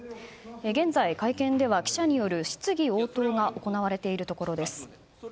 現在、会見では記者による質疑応答が行われているところです。